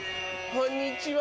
こんにちは。